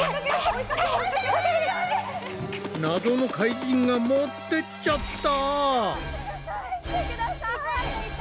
謎の怪人が持ってっちゃった！